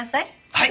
はい！